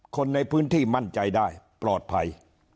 คนในพื้นที่มั่นใจได้ปลอดภัย